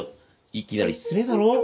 いきなり失礼だろ。